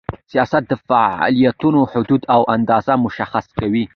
سیاست د فعالیتونو حدود او اندازه مشخص کوي.